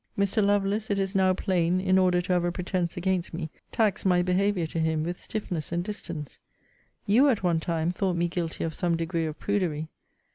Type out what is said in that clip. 'Mr. Lovelace, it is now plain, in order to have a pretence against me, taxed my behaviour to him with stiffness and distance. You, at one time, thought me guilty of some degree of prudery.